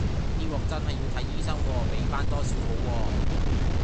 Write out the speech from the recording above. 呢鑊真係要睇醫生喎，畀返多少好喎